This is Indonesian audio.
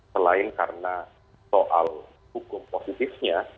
selain karena soal hukum positifnya